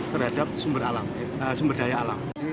terhadap sumber daya alam